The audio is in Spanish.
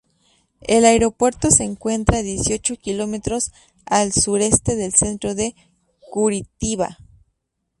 El aeropuerto se encuentra a dieciocho kilómetros al sureste del centro de Curitiba.